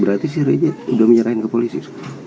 berarti si reja udah menyerahin ke polisi